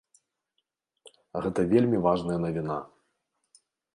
Гэта вельмі важная навіна.